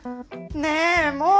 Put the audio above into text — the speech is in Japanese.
ねぇもう！